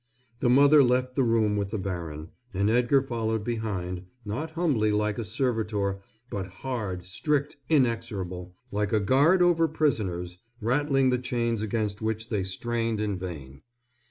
The mother left the room with the baron, and Edgar followed behind, not humbly like a servitor, but hard, strict, inexorable, like a guard over prisoners, rattling the chains against which they strained in vain.